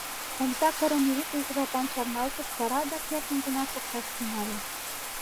Омса кырыме йӱк ик жаплан чарналтыш, вара адак эркын гына шокташ тӱҥале.